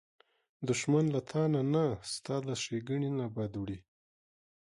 دښمن له تا نه، ستا له ښېګڼې نه بد وړي